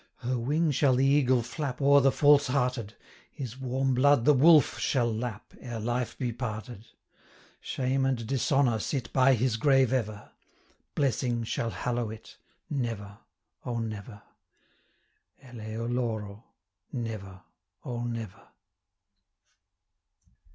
Her wing shall the eagle flap 175 O'er the false hearted; His warm blood the wolf shall lap, Ere life be parted. Shame and dishonour sit By his grave ever; 180 Blessing shall hallow it, Never, O never. CHORUS. Eleu loro, &c. Never, O never!